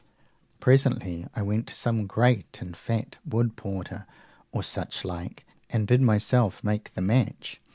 Presently I went to some great and fat wood porter, or such like, and did myself make the match.